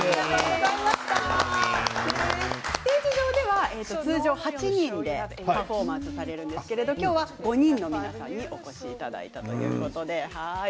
ステージ上では通常８人でパフォーマンスをされるんですけど今日は５人の皆さんにお越しいただいたということです。